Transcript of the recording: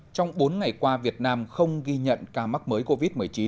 trong bốn ngày qua việt nam không ghi nhận ca mắc mới covid một mươi chín